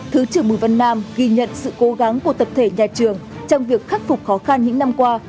thứ trưởng bùi văn nam ghi nhận sự cố gắng của tập thể nhà trường trong việc khắc phục khó khăn những năm qua